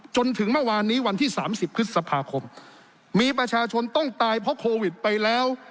จนถึงเมื่อวานนี้วันที่๓๐พฤษภาคมมีประชาชนต้องตายเพราะโควิดไปแล้ว